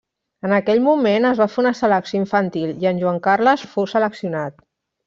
En aquell moment es va fer una selecció infantil i en Joan Carles fou seleccionat.